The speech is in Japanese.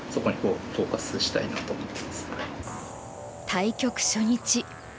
対局初日。